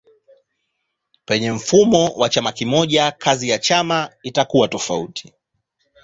Penye mfumo wa chama kimoja kazi ya chama itakuwa tofauti.